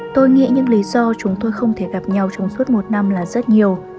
tôi nghĩ những lý do chúng tôi không thể gặp nhau trong suốt một năm là rất nhiều